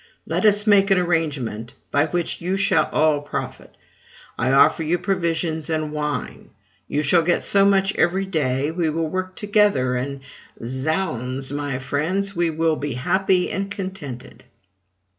Let us make an arrangement by which you shall all profit. I offer you provisions and wine: you shall get so much every day; we will work together, and, zounds! my friends, we will be happy and contented!"